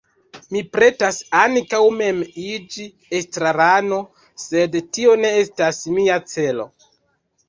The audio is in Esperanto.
Mi pretas ankaŭ mem iĝi estrarano, sed tio ne estas mia celo.